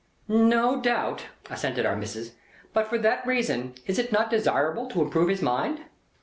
"No doubt," assented Our Missis. "But for that reason is it not desirable to improve his mind?"